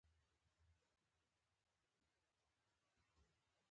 په بدو کي د ښځو ورکول د ټولني لپاره خطرناک دود دی.